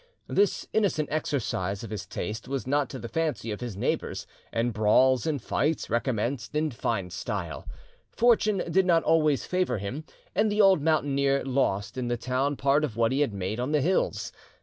This innocent exercise of his taste was not to the fancy of his neighbours, and brawls and fights recommenced in fine style. Fortune did not always favour him, and the old mountaineer lost in the town part of what he had made on the hills.